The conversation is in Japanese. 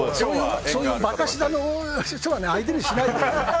そういうバカ舌の人は相手にしません。